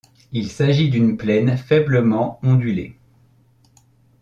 Il s’agit d’une plaine faiblement ondulée.